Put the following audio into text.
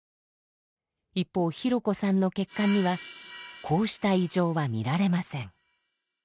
一方ひろこさんの血管にはこうした異常は見られません。